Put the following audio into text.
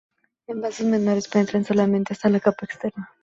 En vasos menores penetran solamente hasta la capa externa.